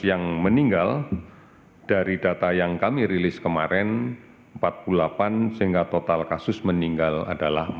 yang meninggal dari data yang kami rilis kemarin empat puluh delapan sehingga total kasus meninggal adalah empat puluh